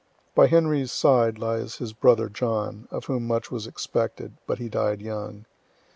By Henry's side lies his brother John, of whom much was expected, but he died young.